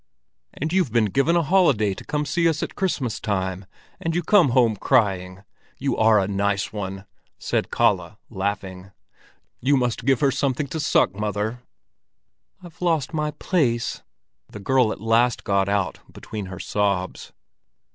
"And you've been given a holiday to come and see us at Christmas time, and you come home crying! You are a nice one!" said Kalle, laughing. "You must give her something to suck, mother!" "I've lost my place," the girl at last got out between her sobs.